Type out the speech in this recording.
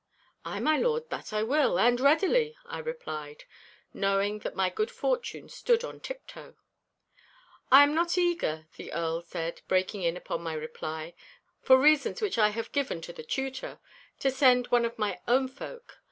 'Ay, my lords, that will I, and readily!' I replied, knowing that my good fortune stood on tiptoe. 'I am not eager,' the Earl said, breaking in upon my reply, 'for reasons which I have given to the Tutor, to send one of my own folk.